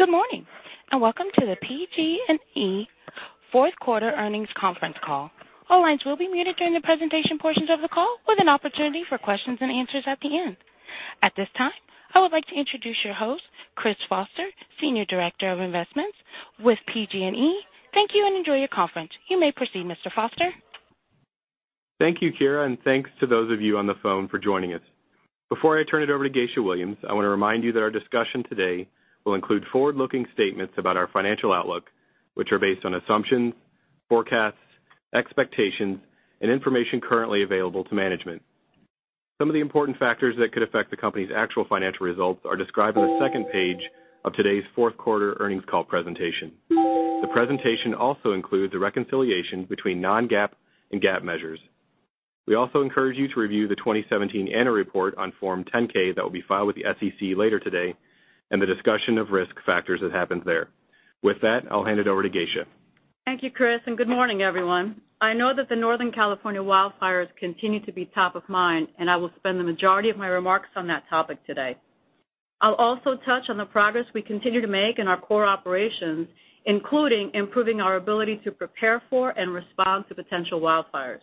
Good morning, welcome to the PG&E fourth quarter earnings conference call. All lines will be muted during the presentation portions of the call, with an opportunity for questions and answers at the end. At this time, I would like to introduce your host, Chris Foster, Senior Director of Investments with PG&E. Thank you, and enjoy your conference. You may proceed, Mr. Foster. Thank you, Kyra, and thanks to those of you on the phone for joining us. Before I turn it over to Geisha Williams, I want to remind you that our discussion today will include forward-looking statements about our financial outlook, which are based on assumptions, forecasts, expectations, and information currently available to management. Some of the important factors that could affect the company's actual financial results are described on the second page of today's fourth quarter earnings call presentation. The presentation also includes a reconciliation between non-GAAP and GAAP measures. We also encourage you to review the 2017 annual report on Form 10-K that will be filed with the SEC later today and the discussion of risk factors that happens there. With that, I'll hand it over to Geisha. Thank you, Chris, and good morning, everyone. I know that the Northern California wildfires continue to be top of mind, and I will spend the majority of my remarks on that topic today. I'll also touch on the progress we continue to make in our core operations, including improving our ability to prepare for and respond to potential wildfires.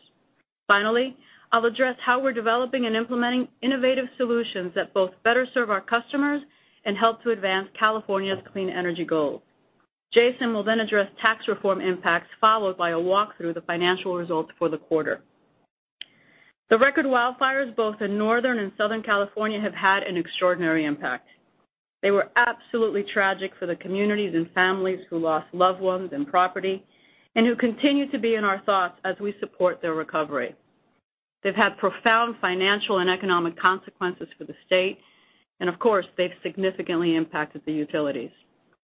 Finally, I'll address how we're developing and implementing innovative solutions that both better serve our customers and help to advance California's clean energy goals. Jason will then address tax reform impacts, followed by a walk through the financial results for the quarter. The record wildfires both in Northern and Southern California have had an extraordinary impact. They were absolutely tragic for the communities and families who lost loved ones and property and who continue to be in our thoughts as we support their recovery. They've had profound financial and economic consequences for the state, of course, they've significantly impacted the utilities.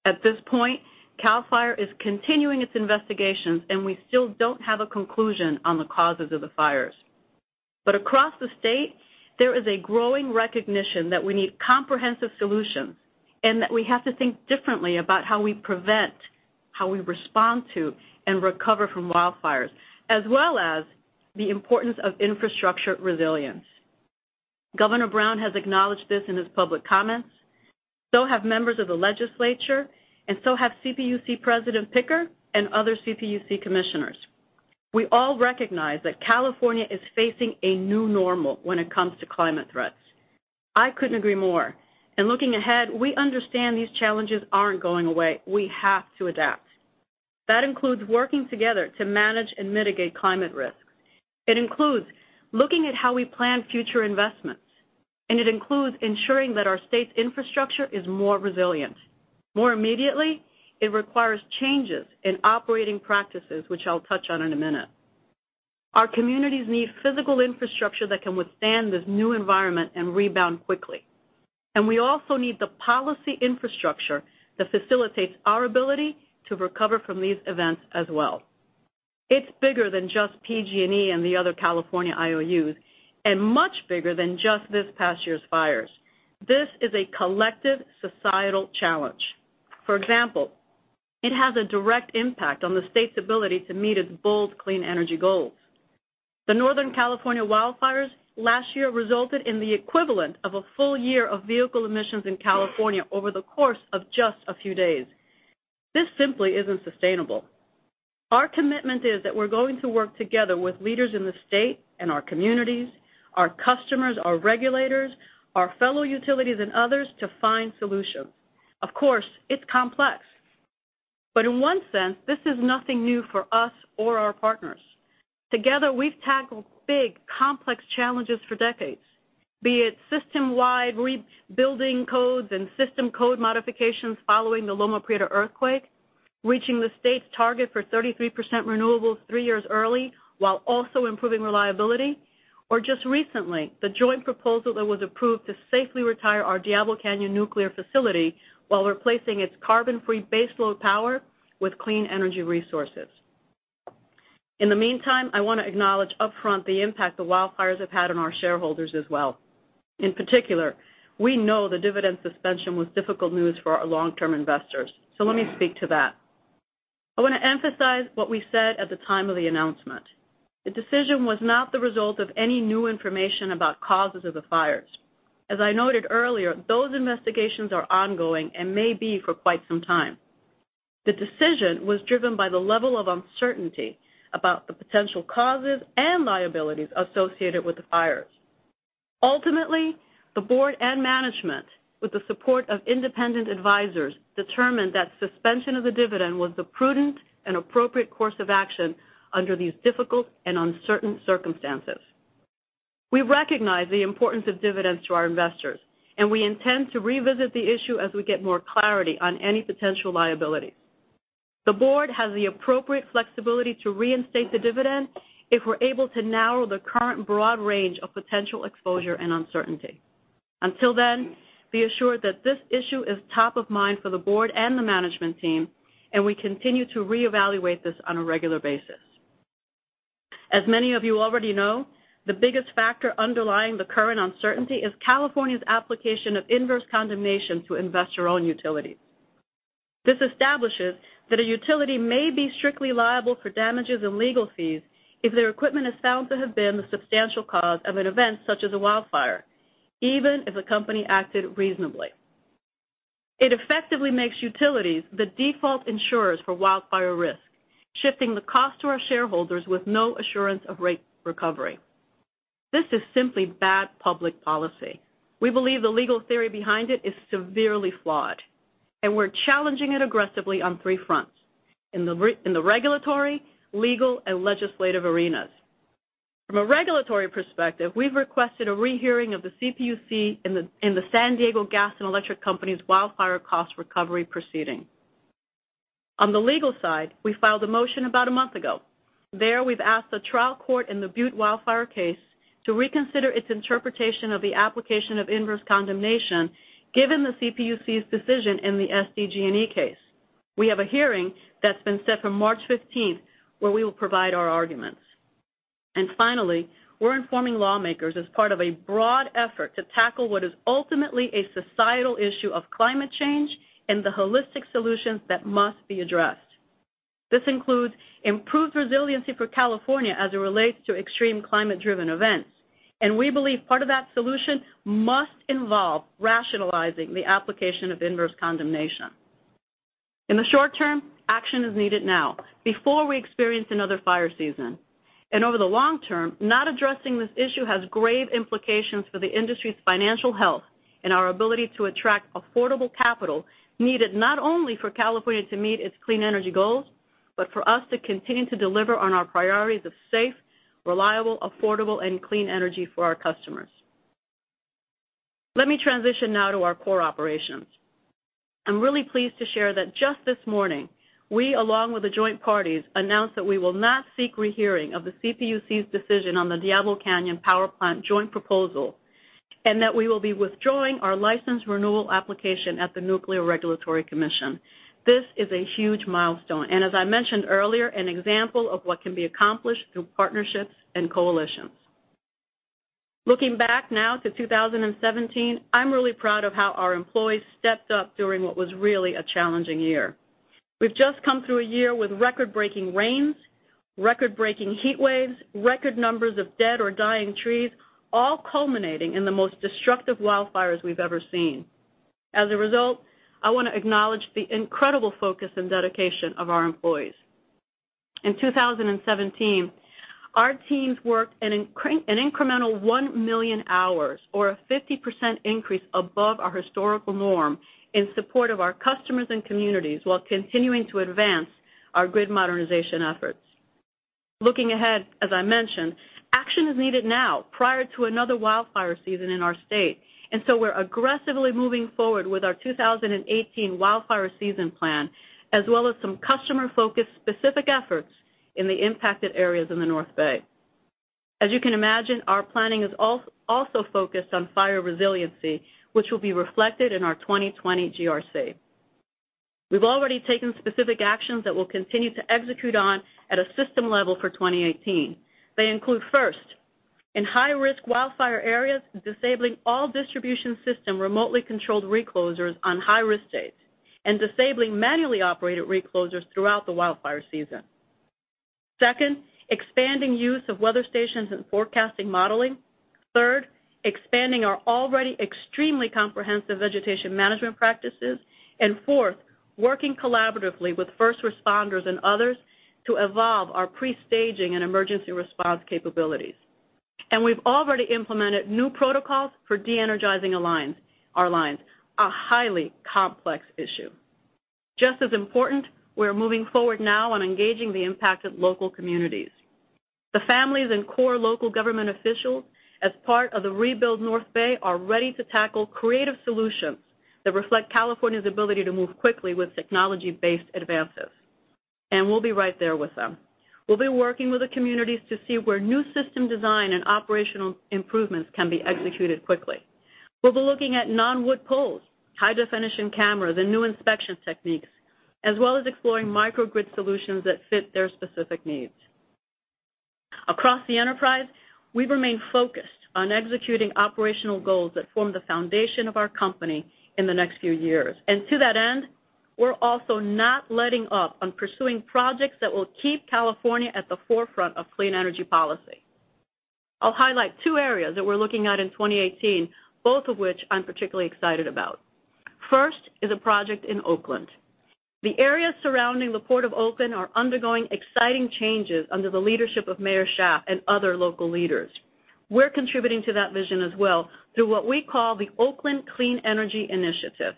At this point, CAL FIRE is continuing its investigations, and we still don't have a conclusion on the causes of the fires. Across the state, there is a growing recognition that we need comprehensive solutions and that we have to think differently about how we prevent, how we respond to, and recover from wildfires, as well as the importance of infrastructure resilience. Governor Brown has acknowledged this in his public comments, so have members of the legislature, and so have CPUC President Picker and other CPUC commissioners. We all recognize that California is facing a new normal when it comes to climate threats. I couldn't agree more, looking ahead, we understand these challenges aren't going away. We have to adapt. That includes working together to manage and mitigate climate risk. It includes looking at how we plan future investments, and it includes ensuring that our state's infrastructure is more resilient. More immediately, it requires changes in operating practices, which I'll touch on in a minute. Our communities need physical infrastructure that can withstand this new environment and rebound quickly, and we also need the policy infrastructure that facilitates our ability to recover from these events as well. It's bigger than just PG&E and the other California IOUs, and much bigger than just this past year's fires. This is a collective societal challenge. For example, it has a direct impact on the state's ability to meet its bold clean energy goals. The Northern California wildfires last year resulted in the equivalent of a full year of vehicle emissions in California over the course of just a few days. This simply isn't sustainable. Our commitment is that we're going to work together with leaders in the state and our communities, our customers, our regulators, our fellow utilities and others to find solutions. Of course, it's complex, but in one sense, this is nothing new for us or our partners. Together, we've tackled big, complex challenges for decades, be it system-wide rebuilding codes and system code modifications following the Loma Prieta earthquake, reaching the state's target for 33% renewables three years early while also improving reliability, or just recently, the joint proposal that was approved to safely retire our Diablo Canyon nuclear facility while replacing its carbon-free base load power with clean energy resources. In the meantime, I want to acknowledge upfront the impact the wildfires have had on our shareholders as well. In particular, we know the dividend suspension was difficult news for our long-term investors, so let me speak to that. I want to emphasize what we said at the time of the announcement. The decision was not the result of any new information about causes of the fires. As I noted earlier, those investigations are ongoing and may be for quite some time. The decision was driven by the level of uncertainty about the potential causes and liabilities associated with the fires. Ultimately, the board and management, with the support of independent advisors, determined that suspension of the dividend was the prudent and appropriate course of action under these difficult and uncertain circumstances. We recognize the importance of dividends to our investors, and we intend to revisit the issue as we get more clarity on any potential liabilities. The board has the appropriate flexibility to reinstate the dividend if we're able to narrow the current broad range of potential exposure and uncertainty. Until then, be assured that this issue is top of mind for the board and the management team, and we continue to reevaluate this on a regular basis. As many of you already know, the biggest factor underlying the current uncertainty is California's application of inverse condemnation to investor-owned utilities. This establishes that a utility may be strictly liable for damages and legal fees if their equipment is found to have been the substantial cause of an event such as a wildfire. Even if a company acted reasonably. It effectively makes utilities the default insurers for wildfire risk, shifting the cost to our shareholders with no assurance of rate recovery. This is simply bad public policy. We believe the legal theory behind it is severely flawed, and we're challenging it aggressively on three fronts, in the regulatory, legal, and legislative arenas. From a regulatory perspective, we've requested a rehearing of the CPUC in the San Diego Gas & Electric Company's wildfire cost recovery proceeding. On the legal side, we filed a motion about a month ago. There, we've asked the trial court in the Butte wildfire case to reconsider its interpretation of the application of inverse condemnation given the CPUC's decision in the SDG&E case. We have a hearing that's been set for March 15th, where we will provide our arguments. Finally, we're informing lawmakers as part of a broad effort to tackle what is ultimately a societal issue of climate change and the holistic solutions that must be addressed. This includes improved resiliency for California as it relates to extreme climate-driven events, and we believe part of that solution must involve rationalizing the application of inverse condemnation. In the short term, action is needed now, before we experience another fire season. Over the long term, not addressing this issue has grave implications for the industry's financial health and our ability to attract affordable capital, needed not only for California to meet its clean energy goals, but for us to continue to deliver on our priorities of safe, reliable, affordable, and clean energy for our customers. Let me transition now to our core operations. I'm really pleased to share that just this morning, we, along with the joint parties, announced that we will not seek rehearing of the CPUC's decision on the Diablo Canyon Power Plant joint proposal, and that we will be withdrawing our license renewal application at the Nuclear Regulatory Commission. This is a huge milestone, and as I mentioned earlier, an example of what can be accomplished through partnerships and coalitions. Looking back now to 2017, I'm really proud of how our employees stepped up during what was really a challenging year. We've just come through a year with record-breaking rains, record-breaking heat waves, record numbers of dead or dying trees, all culminating in the most destructive wildfires we've ever seen. As a result, I want to acknowledge the incredible focus and dedication of our employees. In 2017, our teams worked an incremental 1 million hours, or a 50% increase above our historical norm, in support of our customers and communities while continuing to advance our grid modernization efforts. Looking ahead, as I mentioned, action is needed now prior to another wildfire season in our state. We're aggressively moving forward with our 2018 wildfire season plan, as well as some customer-focused specific efforts in the impacted areas in the North Bay. As you can imagine, our planning is also focused on fire resiliency, which will be reflected in our 2020 GRC. We've already taken specific actions that we'll continue to execute on at a system level for 2018. They include, first, in high-risk wildfire areas, disabling all distribution system remotely controlled reclosers on high-risk days and disabling manually operated reclosers throughout the wildfire season. Second, expanding use of weather stations and forecasting modeling. Third, expanding our already extremely comprehensive vegetation management practices. Fourth, working collaboratively with first responders and others to evolve our pre-staging and emergency response capabilities. We've already implemented new protocols for de-energizing our lines, a highly complex issue. Just as important, we're moving forward now on engaging the impacted local communities. The families and core local government officials, as part of the Rebuild North Bay, are ready to tackle creative solutions that reflect California's ability to move quickly with technology-based advances. We'll be right there with them. We'll be working with the communities to see where new system design and operational improvements can be executed quickly. We'll be looking at non-wood poles, high-definition cameras, and new inspection techniques, as well as exploring microgrid solutions that fit their specific needs. Across the enterprise, we remain focused on executing operational goals that form the foundation of our company in the next few years. To that end, we're also not letting up on pursuing projects that will keep California at the forefront of clean energy policy. I'll highlight two areas that we're looking at in 2018, both of which I'm particularly excited about. First is a project in Oakland. The areas surrounding the Port of Oakland are undergoing exciting changes under the leadership of Mayor Schaaf and other local leaders. We're contributing to that vision as well through what we call the Oakland Clean Energy Initiative.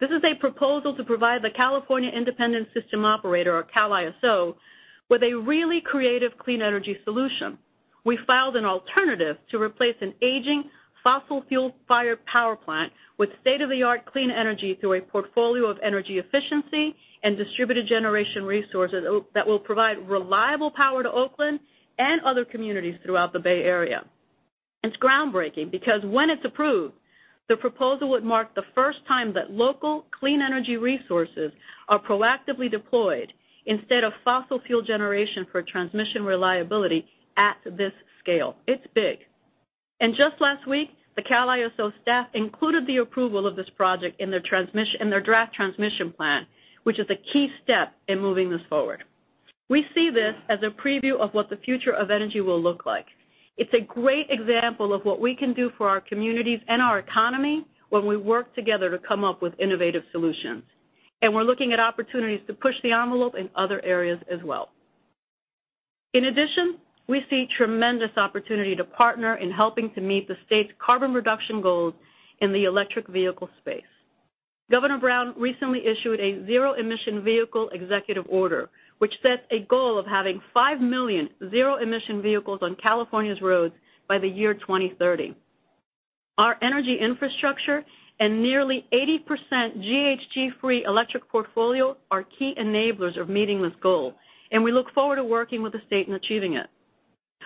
This is a proposal to provide the California Independent System Operator, or CAISO, with a really creative clean energy solution. We filed an alternative to replace an aging fossil fuel-fired power plant with state-of-the-art clean energy through a portfolio of energy efficiency and distributed generation resources that will provide reliable power to Oakland and other communities throughout the Bay Area. It's groundbreaking because when it's approved, the proposal would mark the first time that local clean energy resources are proactively deployed instead of fossil fuel generation for transmission reliability at this scale. It's big. Just last week, the CAISO staff included the approval of this project in their draft transmission plan, which is a key step in moving this forward. We see this as a preview of what the future of energy will look like. It's a great example of what we can do for our communities and our economy when we work together to come up with innovative solutions. We're looking at opportunities to push the envelope in other areas as well. In addition, we see tremendous opportunity to partner in helping to meet the state's carbon reduction goals in the electric vehicle space. Governor Brown recently issued a zero-emission vehicle executive order, which sets a goal of having 5 million zero-emission vehicles on California's roads by the year 2030. Our energy infrastructure and nearly 80% GHG-free electric portfolio are key enablers of meeting this goal. We look forward to working with the state in achieving it.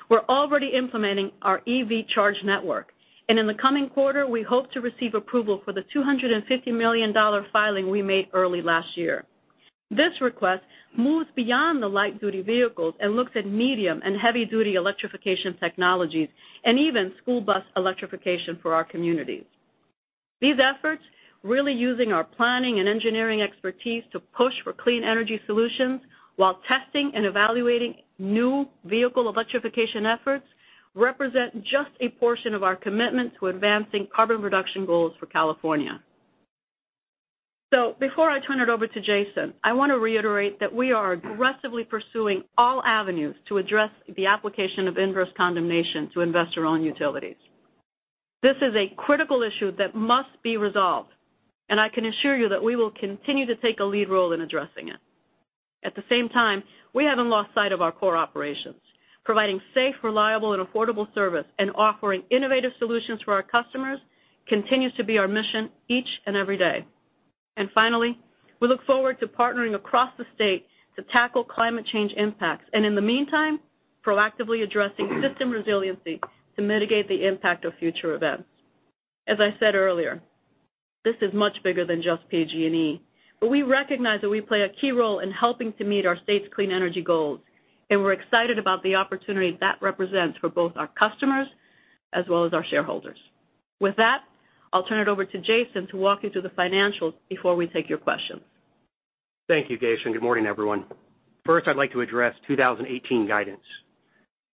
We're already implementing our EV Charge Network, and in the coming quarter, we hope to receive approval for the $250 million filing we made early last year. This request moves beyond the light-duty vehicles and looks at medium and heavy-duty electrification technologies, and even school bus electrification for our communities. These efforts, really using our planning and engineering expertise to push for clean energy solutions while testing and evaluating new vehicle electrification efforts, represent just a portion of our commitment to advancing carbon reduction goals for California. Before I turn it over to Jason, I want to reiterate that we are aggressively pursuing all avenues to address the application of inverse condemnation to investor-owned utilities. This is a critical issue that must be resolved, I can assure you that we will continue to take a lead role in addressing it. At the same time, we haven't lost sight of our core operations. Providing safe, reliable, and affordable service and offering innovative solutions for our customers continues to be our mission each and every day. Finally, we look forward to partnering across the state to tackle climate change impacts, and in the meantime, proactively addressing system resiliency to mitigate the impact of future events. As I said earlier, this is much bigger than just PG&E, we recognize that we play a key role in helping to meet our state's clean energy goals, and we're excited about the opportunity that represents for both our customers as well as our shareholders. With that, I'll turn it over to Jason to walk you through the financials before we take your questions. Thank you, Geisha, and good morning, everyone. First, I'd like to address 2018 guidance.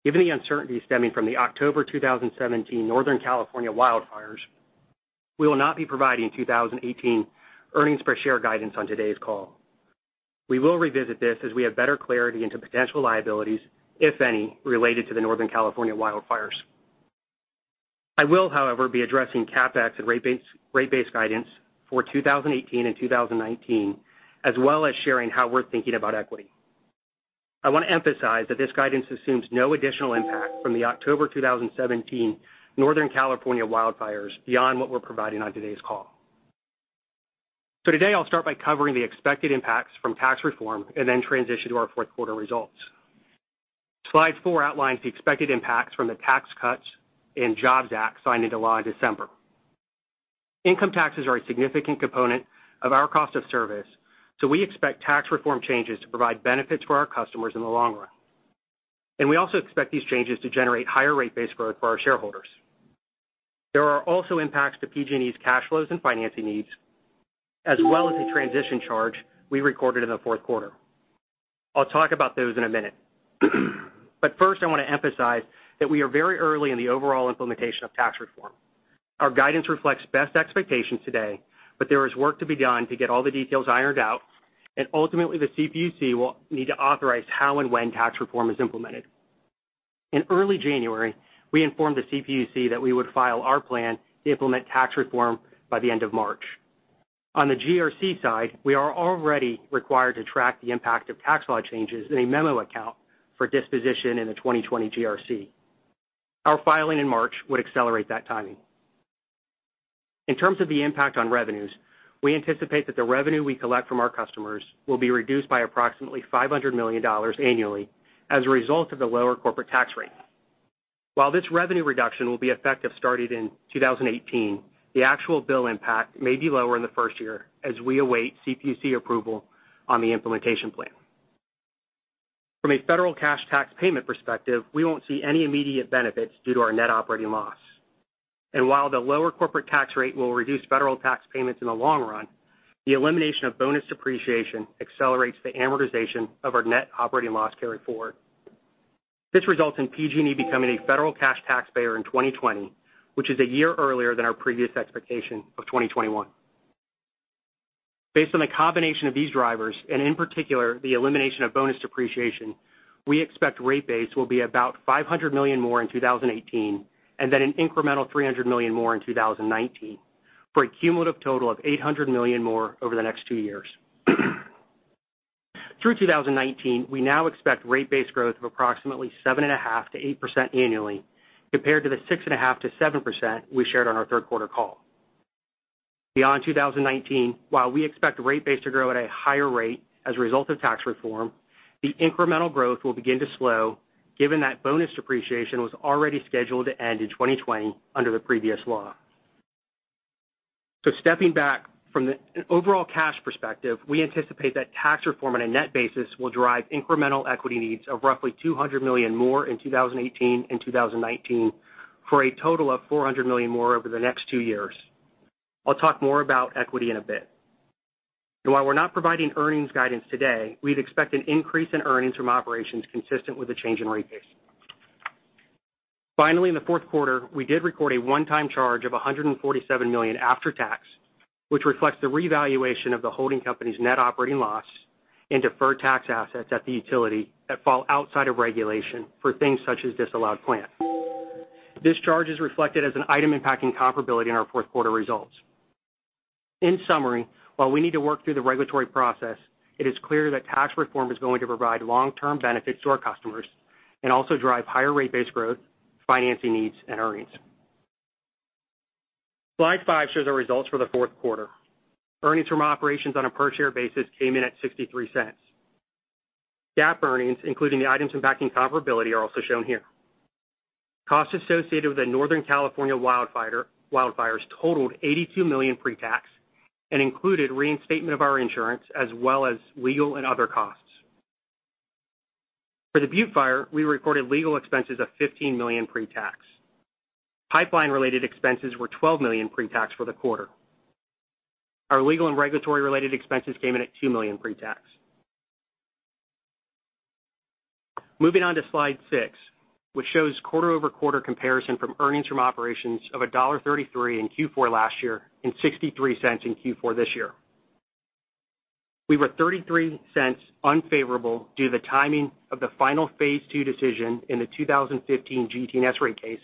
Given the uncertainty stemming from the October 2017 Northern California wildfires, we will not be providing 2018 earnings per share guidance on today's call. We will revisit this as we have better clarity into potential liabilities, if any, related to the Northern California wildfires. I will, however, be addressing CapEx and rate base guidance for 2018 and 2019, as well as sharing how we're thinking about equity. I want to emphasize that this guidance assumes no additional impact from the October 2017 Northern California wildfires beyond what we're providing on today's call. Today, I'll start by covering the expected impacts from tax reform and then transition to our fourth quarter results. Slide four outlines the expected impacts from the Tax Cuts and Jobs Act signed into law in December. Income taxes are a significant component of our cost of service, we expect tax reform changes to provide benefits for our customers in the long run. We also expect these changes to generate higher rate base growth for our shareholders. There are also impacts to PG&E's cash flows and financing needs, as well as a transition charge we recorded in the fourth quarter. I'll talk about those in a minute. First, I want to emphasize that we are very early in the overall implementation of tax reform. Our guidance reflects best expectations today, but there is work to be done to get all the details ironed out, and ultimately, the CPUC will need to authorize how and when tax reform is implemented. In early January, we informed the CPUC that we would file our plan to implement tax reform by the end of March. On the GRC side, we are already required to track the impact of tax law changes in a memo account for disposition in the 2020 GRC. Our filing in March would accelerate that timing. In terms of the impact on revenues, we anticipate that the revenue we collect from our customers will be reduced by approximately $500 million annually as a result of the lower corporate tax rate. While this revenue reduction will be effective starting in 2018, the actual bill impact may be lower in the first year as we await CPUC approval on the implementation plan. From a federal cash tax payment perspective, we won't see any immediate benefits due to our net operating loss. While the lower corporate tax rate will reduce federal tax payments in the long run, the elimination of bonus depreciation accelerates the amortization of our net operating loss carryforward. This results in PG&E becoming a federal cash taxpayer in 2020, which is a year earlier than our previous expectation of 2021. Based on the combination of these drivers, in particular, the elimination of bonus depreciation, we expect rate base will be about $500 million more in 2018 and then an incremental $300 million more in 2019, for a cumulative total of $800 million more over the next two years. Through 2019, we now expect rate base growth of approximately 7.5%-8% annually, compared to the 6.5%-7% we shared on our third quarter call. Beyond 2019, while we expect rate base to grow at a higher rate as a result of tax reform, the incremental growth will begin to slow given that bonus depreciation was already scheduled to end in 2020 under the previous law. Stepping back, from the overall cash perspective, we anticipate that tax reform on a net basis will drive incremental equity needs of roughly $200 million more in 2018 and 2019 for a total of $400 million more over the next two years. I'll talk more about equity in a bit. While we're not providing earnings guidance today, we'd expect an increase in earnings from operations consistent with the change in rate base. Finally, in the fourth quarter, we did record a one-time charge of $147 million after tax, which reflects the revaluation of the holding company's net operating loss and deferred tax assets at the utility that fall outside of regulation for things such as disallowed plant. This charge is reflected as an item impacting comparability in our fourth quarter results. In summary, while we need to work through the regulatory process, it is clear that tax reform is going to provide long-term benefits to our customers and also drive higher rate base growth, financing needs, and earnings. Slide five shows our results for the fourth quarter. Earnings from operations on a per-share basis came in at $0.63. GAAP earnings, including the items impacting comparability, are also shown here. Costs associated with the Northern California wildfires totaled $82 million pre-tax and included reinstatement of our insurance as well as legal and other costs. For the Butte Fire, we recorded legal expenses of $15 million pre-tax. Pipeline-related expenses were $12 million pre-tax for the quarter. Our legal and regulatory-related expenses came in at $2 million pre-tax. Moving on to slide six, which shows quarter-over-quarter comparison from earnings from operations of $1.33 in Q4 last year and $0.63 in Q4 this year. We were $0.33 unfavorable due to the timing of the final phase 2 decision in the 2015 GT&S Rate Case,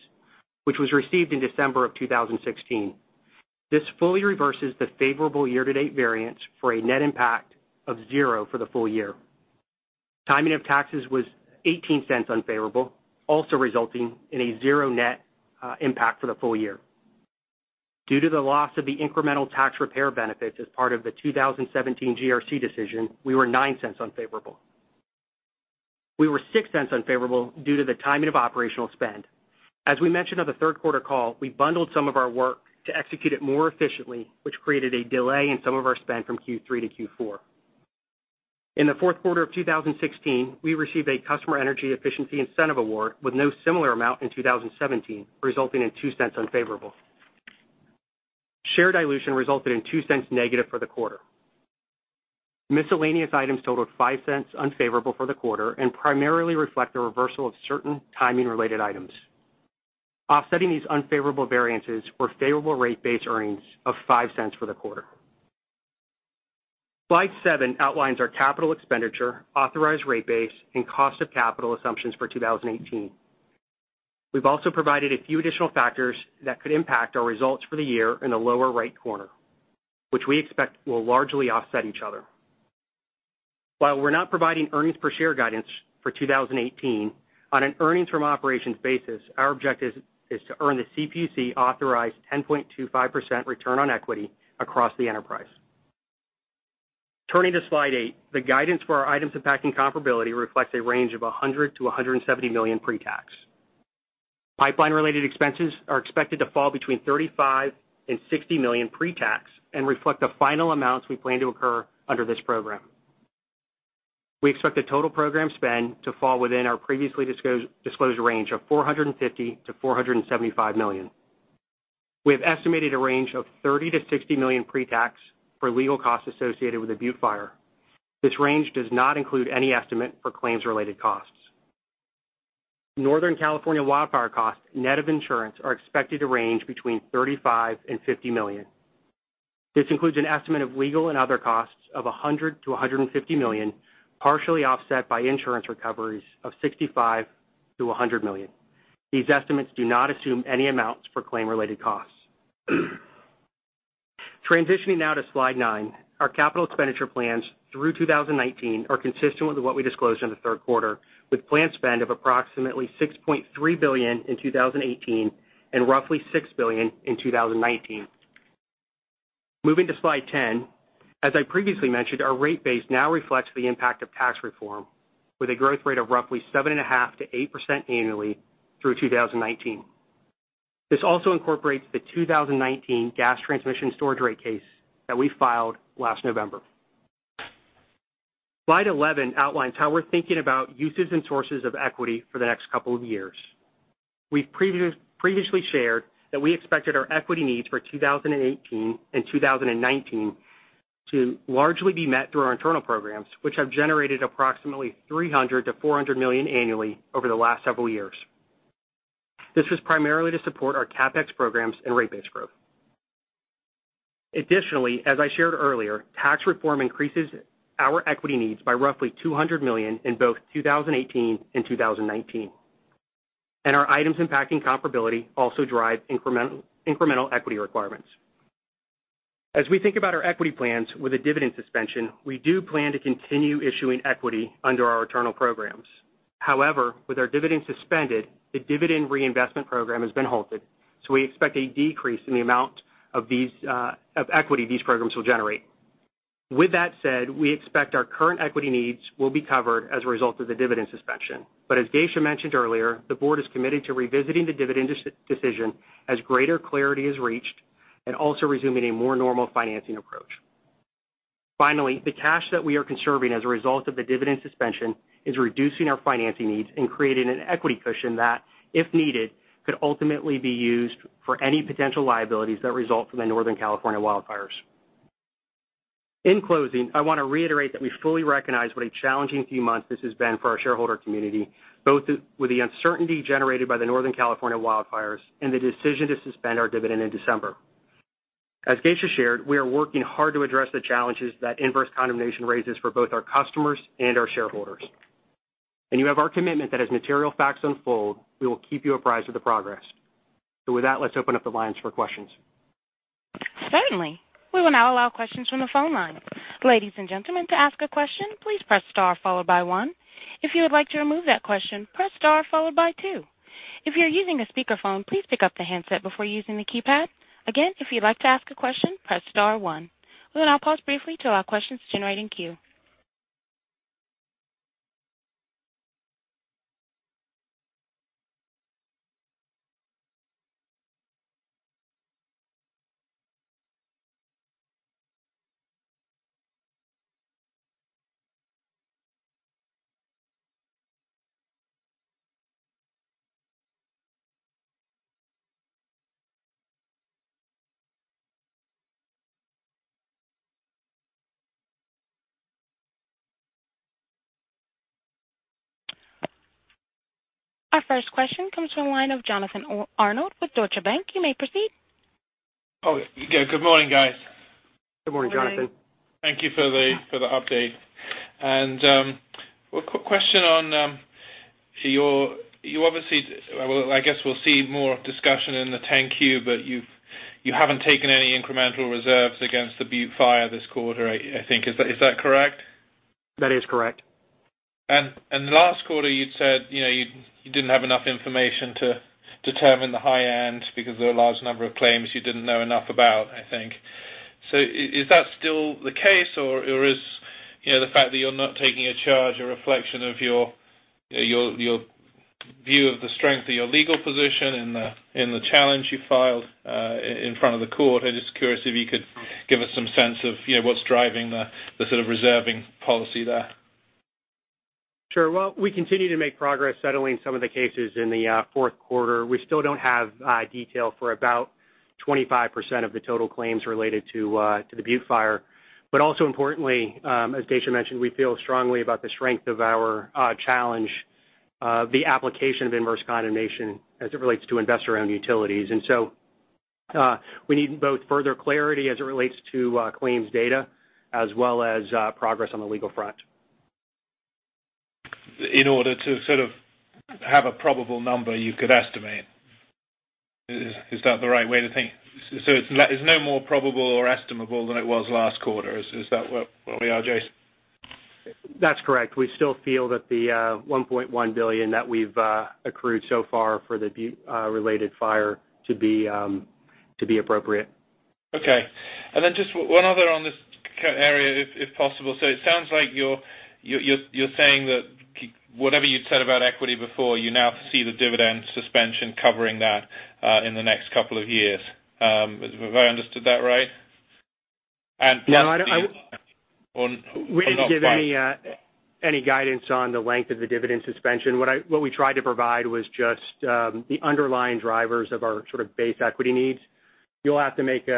which was received in December of 2016. This fully reverses the favorable year-to-date variance for a net impact of 0 for the full year. Timing of taxes was $0.18 unfavorable, also resulting in a 0 net impact for the full year. Due to the loss of the incremental tax repair benefits as part of the 2017 GRC Decision, we were $0.09 unfavorable. We were $0.06 unfavorable due to the timing of operational spend. As we mentioned on the third quarter call, we bundled some of our work to execute it more efficiently, which created a delay in some of our spend from Q3 to Q4. In the fourth quarter of 2016, we received a customer energy efficiency incentive award with no similar amount in 2017, resulting in $0.02 unfavorable. Share dilution resulted in $0.02 negative for the quarter. Miscellaneous items totaled $0.05 unfavorable for the quarter and primarily reflect the reversal of certain timing-related items. Offsetting these unfavorable variances were favorable rate base earnings of $0.05 for the quarter. Slide seven outlines our capital expenditure, authorized rate base, and cost of capital assumptions for 2018. We've also provided a few additional factors that could impact our results for the year in the lower right corner, which we expect will largely offset each other. While we're not providing earnings per share guidance for 2018, on an earnings from operations basis, our objective is to earn the CPUC-authorized 10.25% return on equity across the enterprise. Turning to slide eight, the guidance for our items impacting comparability reflects a range of $100 million-$170 million pre-tax. Pipeline-related expenses are expected to fall between $35 million and $60 million pre-tax and reflect the final amounts we plan to occur under this program. We expect the total program spend to fall within our previously disclosed range of $450 million-$475 million. We have estimated a range of $30 million-$60 million pre-tax for legal costs associated with the Butte Fire. This range does not include any estimate for claims-related costs. Northern California wildfire costs, net of insurance, are expected to range between $35 million and $50 million. This includes an estimate of legal and other costs of $100 million-$150 million, partially offset by insurance recoveries of $65 million-$100 million. These estimates do not assume any amounts for claim-related costs. Transitioning now to slide nine, our capital expenditure plans through 2019 are consistent with what we disclosed in the third quarter, with planned spend of approximately $6.3 billion in 2018 and roughly $6 billion in 2019. Moving to slide 10, as I previously mentioned, our rate base now reflects the impact of tax reform with a growth rate of roughly 7.5%-8% annually through 2019. This also incorporates the 2019 Gas Transmission and Storage Rate Case that we filed last November. Slide 11 outlines how we're thinking about uses and sources of equity for the next couple of years. We've previously shared that we expected our equity needs for 2018 and 2019 to largely be met through our internal programs, which have generated approximately $300 million-$400 million annually over the last several years. This was primarily to support our CapEx programs and rate base growth. Additionally, as I shared earlier, tax reform increases our equity needs by roughly $200 million in both 2018 and 2019. Our items impacting comparability also drive incremental equity requirements. As we think about our equity plans with a dividend suspension, we do plan to continue issuing equity under our internal programs. However, with our dividend suspended, the dividend reinvestment program has been halted, we expect a decrease in the amount of equity these programs will generate. With that said, we expect our current equity needs will be covered as a result of the dividend suspension. As Geisha mentioned earlier, the board is committed to revisiting the dividend decision as greater clarity is reached and also resuming a more normal financing approach. Finally, the cash that we are conserving as a result of the dividend suspension is reducing our financing needs and creating an equity cushion that, if needed, could ultimately be used for any potential liabilities that result from the Northern California wildfires. In closing, I want to reiterate that we fully recognize what a challenging few months this has been for our shareholder community, both with the uncertainty generated by the Northern California wildfires and the decision to suspend our dividend in December. As Geisha shared, we are working hard to address the challenges that inverse condemnation raises for both our customers and our shareholders. You have our commitment that as material facts unfold, we will keep you apprised of the progress. With that, let's open up the lines for questions. Certainly. We will now allow questions from the phone line. Ladies and gentlemen, to ask a question, please press star followed by one. If you would like to remove that question, press star followed by two. If you are using a speakerphone, please pick up the handset before using the keypad. Again, if you'd like to ask a question, press star one. We'll now pause briefly to allow questions to generate in queue. Our first question comes from the line of Jonathan Arnold with Deutsche Bank. You may proceed. Good morning, guys. Good morning, Jonathan. Good morning. Thank you for the update. A quick question on your, obviously, I guess we'll see more discussion in the 10-Q, but you haven't taken any incremental reserves against the Butte Fire this quarter, I think. Is that correct? That is correct. Last quarter, you'd said you didn't have enough information to determine the high end because there were a large number of claims you didn't know enough about, I think. Is that still the case, or is the fact that you're not taking a charge a reflection of your view of the strength of your legal position in the challenge you filed in front of the court? I'm just curious if you could give us some sense of what's driving the sort of reserving policy there. Sure. Well, we continue to make progress settling some of the cases in the fourth quarter. We still don't have detail for about 25% of the total claims related to the Butte Fire. Also importantly, as Geisha mentioned, we feel strongly about the strength of our challenge, the application of inverse condemnation as it relates to investor-owned utilities. We need both further clarity as it relates to claims data as well as progress on the legal front. In order to sort of have a probable number you could estimate. Is that the right way to think? It's no more probable or estimable than it was last quarter. Is that where we are, Jason? That's correct. We still feel that the $1.1 billion that we've accrued so far for the Butte-related fire to be appropriate. Okay. Then just one other on this area, if possible. It sounds like you're saying that whatever you'd said about equity before, you now see the dividend suspension covering that in the next couple of years. Have I understood that right? No, I wouldn't give any guidance on the length of the dividend suspension. What we tried to provide was just the underlying drivers of our sort of base equity needs. You'll have to make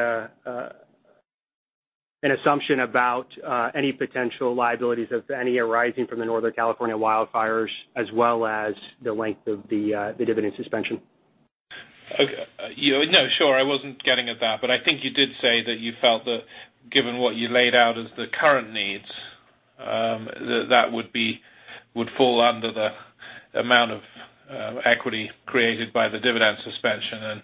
an assumption about any potential liabilities of any arising from the Northern California wildfires as well as the length of the dividend suspension. Okay. No, sure. I wasn't getting at that, I think you did say that you felt that given what you laid out as the current needs, that that would fall under the amount of equity created by the dividend suspension and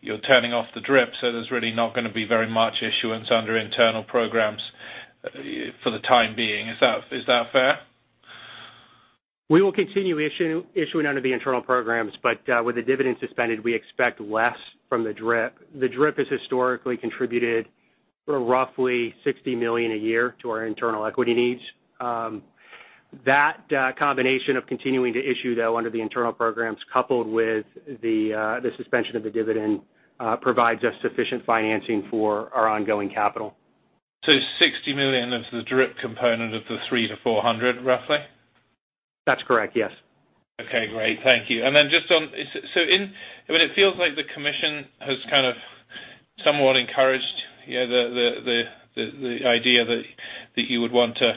you're turning off the DRIP, there's really not going to be very much issuance under internal programs for the time being. Is that fair? We will continue issuing under the internal programs, but with the dividend suspended, we expect less from the DRIP. The DRIP has historically contributed roughly $60 million a year to our internal equity needs. That combination of continuing to issue, though, under the internal programs, coupled with the suspension of the dividend, provides us sufficient financing for our ongoing capital. Is $60 million the DRIP component of the $300-$400, roughly? That's correct, yes. Okay, great. Thank you. On this, it feels like the Commission has kind of somewhat encouraged the idea that you would want to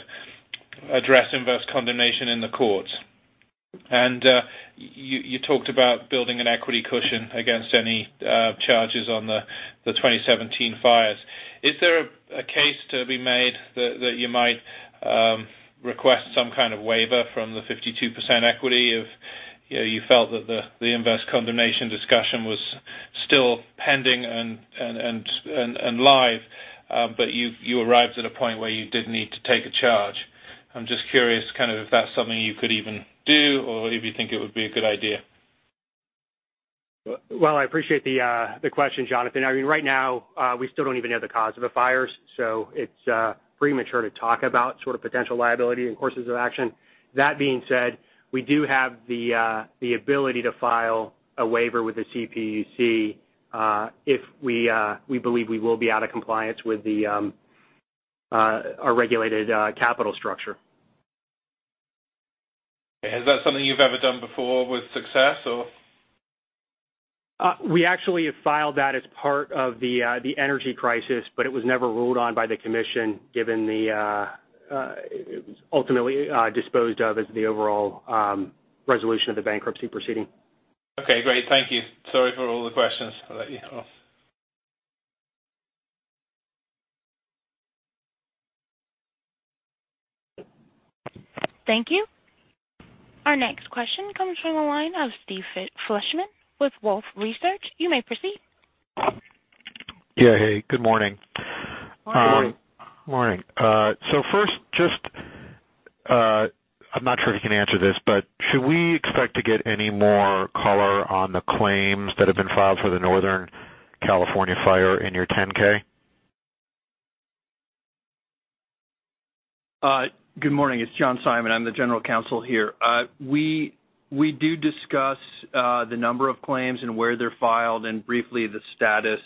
address inverse condemnation in the courts. You talked about building an equity cushion against any charges on the 2017 fires. Is there a case to be made that you might request some kind of waiver from the 52% equity if you felt that the inverse condemnation discussion was still pending and live, but you arrived at a point where you did need to take a charge? I'm just curious kind of if that's something you could even do or if you think it would be a good idea. Well, I appreciate the question, Jonathan. I mean, right now, we still don't even know the cause of the fires. It's premature to talk about sort of potential liability and courses of action. That being said, we do have the ability to file a waiver with the CPUC if we believe we will be out of compliance with our regulated capital structure. Is that something you've ever done before with success, or? We actually have filed that as part of the energy crisis. It was never ruled on by the commission, ultimately disposed of as the overall resolution of the bankruptcy proceeding. Okay, great. Thank you. Sorry for all the questions. I'll let you off. Thank you. Our next question comes from the line of Steve Fleishman with Wolfe Research. You may proceed. Yeah. Hey, good morning. Morning. Morning. First, I'm not sure if you can answer this, but should we expect to get any more color on the claims that have been filed for the Northern California fire in your 10-K? Good morning. It's John Simon. I'm the general counsel here. We do discuss the number of claims and where they're filed and briefly the status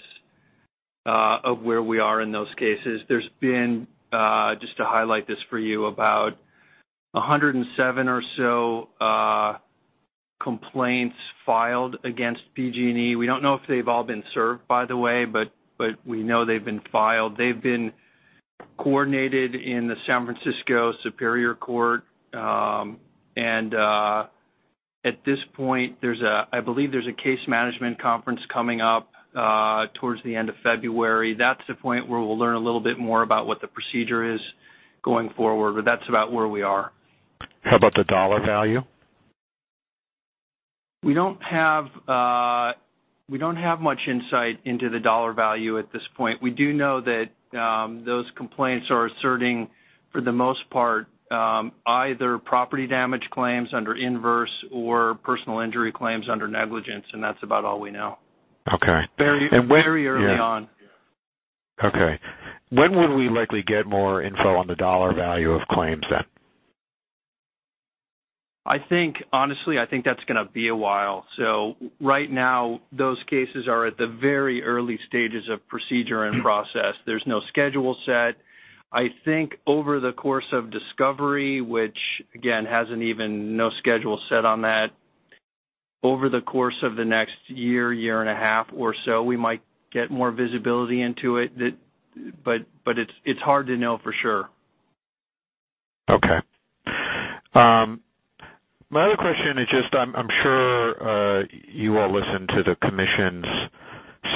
of where we are in those cases. There's been, just to highlight this for you, about 107 or so complaints filed against PG&E. We don't know if they've all been served, by the way, but we know they've been filed. They've been coordinated in the San Francisco Superior Court. At this point, I believe there's a case management conference coming up towards the end of February. That's the point where we'll learn a little bit more about what the procedure is going forward, but that's about where we are. How about the dollar value? We don't have much insight into the dollar value at this point. We do know that those complaints are asserting, for the most part, either property damage claims under inverse or personal injury claims under negligence, and that's about all we know. Okay. Very early on. Okay. When will we likely get more info on the dollar value of claims, then? Honestly, I think that's going to be a while. Right now, those cases are at the very early stages of procedure and process. There's no schedule set. I think over the course of discovery, which again, no schedule set on that. Over the course of the next year and a half or so, we might get more visibility into it, but it's hard to know for sure. Okay. My other question is just I'm sure you all listened to the commission's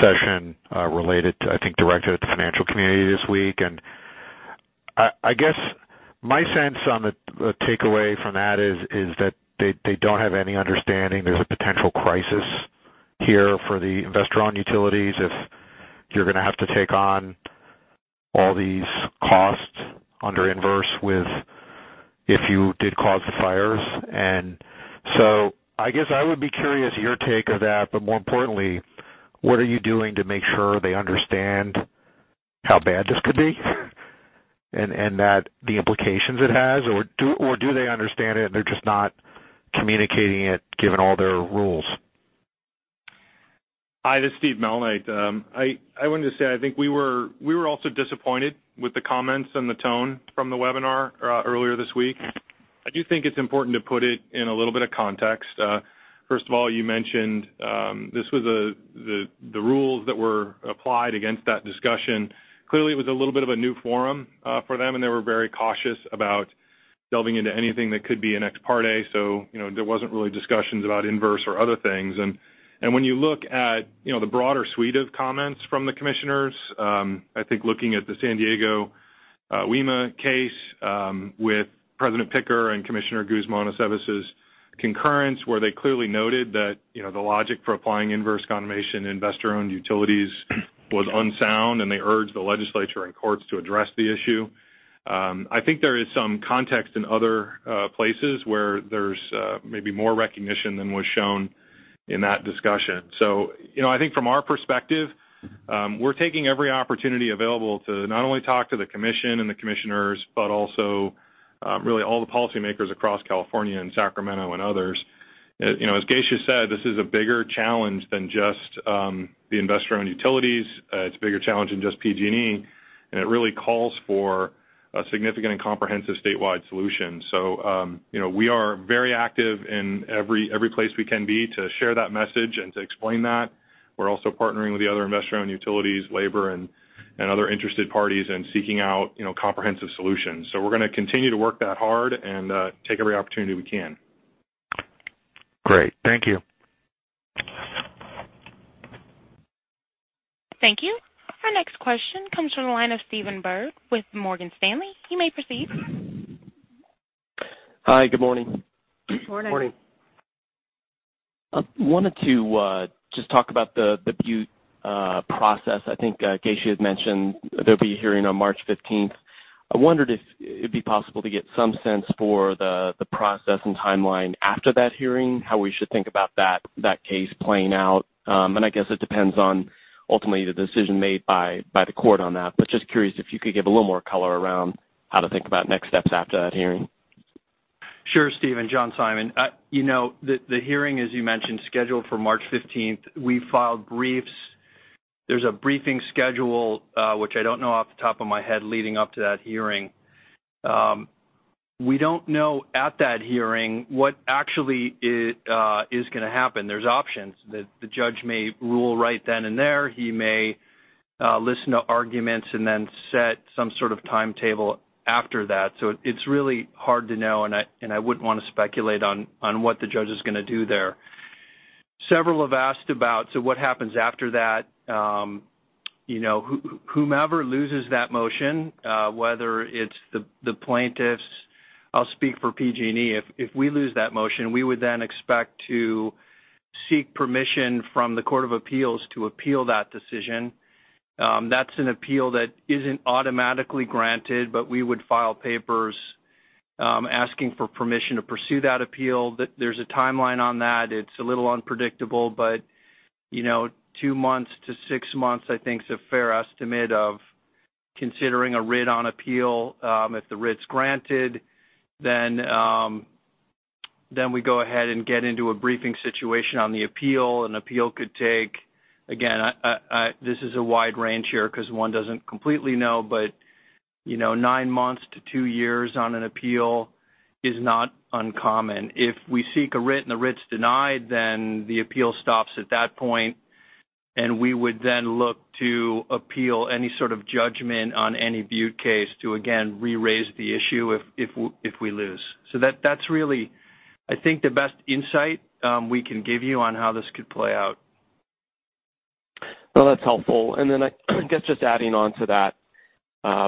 session related to, I think, directed at the financial community this week. I guess my sense on the takeaway from that is that they don't have any understanding there's a potential crisis here for the investor-owned utilities if you're going to have to take on all these costs under inverse with if you did cause the fires. I guess I would be curious your take of that, but more importantly, what are you doing to make sure they understand how bad this could be and that the implications it has? Or do they understand it and they're just not communicating it given all their rules? Hi, this is Steve Malnight. I wanted to say, I think we were also disappointed with the comments and the tone from the webinar earlier this week. I do think it's important to put it in a little bit of context. First of all, you mentioned this was the rules that were applied against that discussion. Clearly, it was a little bit of a new forum for them, and they were very cautious about delving into anything that could be an ex parte. There wasn't really discussions about inverse or other things. When you look at the broader suite of comments from the commissioners, I think looking at the San Diego WEMA case with President Picker and Commissioner Guzman Aceves' concurrence where they clearly noted that the logic for applying inverse condemnation investor-owned utilities was unsound, and they urged the legislature and courts to address the issue. I think there is some context in other places where there's maybe more recognition than was shown in that discussion. I think from our perspective, we're taking every opportunity available to not only talk to the commission and the commissioners, but also really all the policymakers across California and Sacramento and others. As Geisha said, this is a bigger challenge than just the investor-owned utilities. It's a bigger challenge than just PG&E, and it really calls for a significant and comprehensive statewide solution. We are very active in every place we can be to share that message and to explain that. We're also partnering with the other investor-owned utilities, labor and other interested parties and seeking out comprehensive solutions. We're going to continue to work that hard and take every opportunity we can. Great. Thank you. Thank you. Our next question comes from the line of Stephen Byrd with Morgan Stanley. You may proceed. Hi, good morning. Morning. Morning. I wanted to just talk about the Butte process. I think Geisha had mentioned there'll be a hearing on March 15th. I wondered if it'd be possible to get some sense for the process and timeline after that hearing, how we should think about that case playing out. I guess it depends on ultimately the decision made by the court on that. Just curious if you could give a little more color around how to think about next steps after that hearing. Sure, Steve, John Simon. The hearing, as you mentioned, scheduled for March 15th, we filed briefs. There's a briefing schedule, which I don't know off the top of my head leading up to that hearing. We don't know at that hearing what actually is going to happen. There's options. The judge may rule right then and there. He may listen to arguments and then set some sort of timetable after that. It's really hard to know, and I wouldn't want to speculate on what the judge is going to do there. Several have asked about, so what happens after that. Whomever loses that motion, whether it's the plaintiffs, I'll speak for PG&E, if we lose that motion, we would then expect to seek permission from the Court of Appeals to appeal that decision. That's an appeal that isn't automatically granted, we would file papers asking for permission to pursue that appeal. There's a timeline on that. It's a little unpredictable, two months to six months, I think, is a fair estimate of considering a writ on appeal. If the writ's granted, we go ahead and get into a briefing situation on the appeal. An appeal could take, again this is a wide range here because one doesn't completely know, nine months to two years on an appeal is not uncommon. If we seek a writ and the writ's denied, the appeal stops at that point, and we would then look to appeal any sort of judgment on any Butte case to, again, re-raise the issue if we lose. That's really, I think, the best insight we can give you on how this could play out. Well, that's helpful. I guess just adding on to that,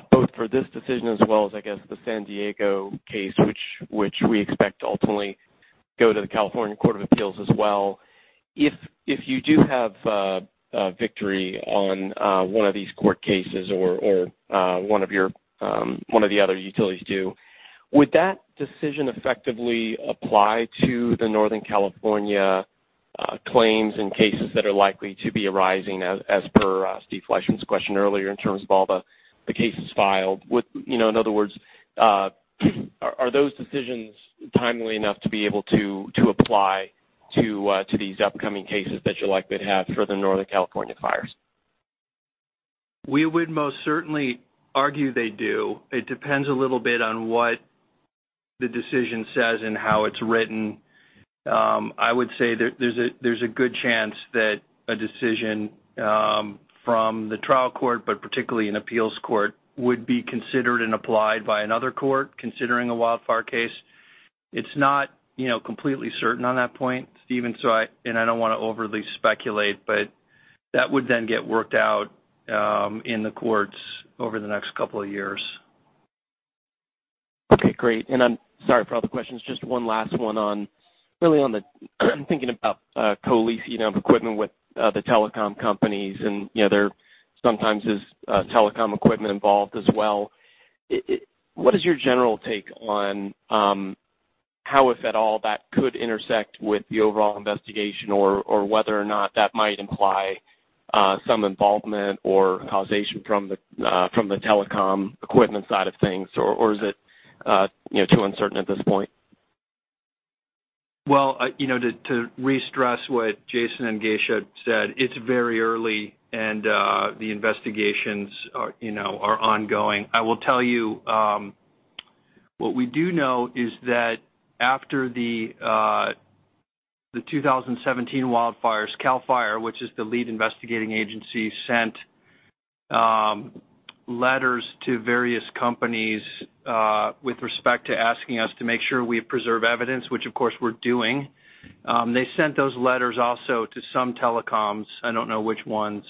both for this decision as well as, I guess, the San Diego case, which we expect to ultimately go to the California Court of Appeal as well. If you do have a victory on one of these court cases or one of the other utilities do, would that decision effectively apply to the Northern California claims and cases that are likely to be arising, as per Steve Fleishman's question earlier, in terms of all the cases filed? In other words, are those decisions timely enough to be able to apply to these upcoming cases that you're likely to have for the Northern California fires? We would most certainly argue they do. It depends a little bit on what the decision says and how it's written. I would say there's a good chance that a decision from the trial court, but particularly an appeals court, would be considered and applied by another court considering a wildfire case. It's not completely certain on that point, Stephen, and I don't want to overly speculate, but that would then get worked out in the courts over the next couple of years. I'm sorry for all the questions. Just one last one on really on the thinking about co-leasing of equipment with the telecom companies, and there sometimes is telecom equipment involved as well. What is your general take on how, if at all, that could intersect with the overall investigation or whether or not that might imply some involvement or causation from the telecom equipment side of things? Or is it too uncertain at this point? To re-stress what Jason and Geisha said, it's very early and the investigations are ongoing. I will tell you what we do know is that after the 2017 wildfires, CAL FIRE, which is the lead investigating agency, sent letters to various companies with respect to asking us to make sure we preserve evidence, which of course we're doing. They sent those letters also to some telecoms. I don't know which ones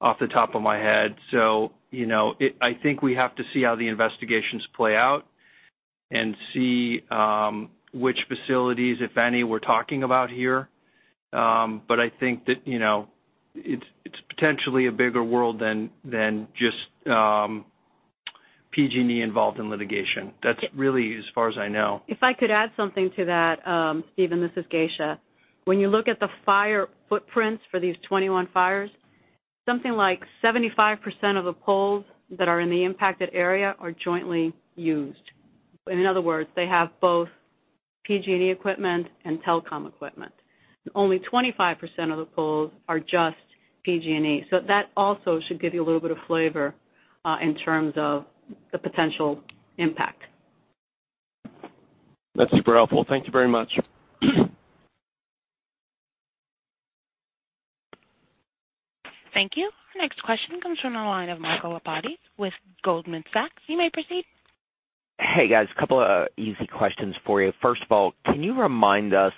off the top of my head. I think we have to see how the investigations play out and see which facilities, if any, we're talking about here. I think that it's potentially a bigger world than just PG&E involved in litigation. That's really as far as I know. If I could add something to that, Stephen, this is Geisha. When you look at the fire footprints for these 21 fires, something like 75% of the poles that are in the impacted area are jointly used. In other words, they have both PG&E equipment and telecom equipment. Only 25% of the poles are just PG&E. That also should give you a little bit of flavor in terms of the potential impact. That's super helpful. Thank you very much. Thank you. Next question comes from the line of Michael Lapides with Goldman Sachs. You may proceed. Hey, guys, a couple of easy questions for you. First of all, can you remind us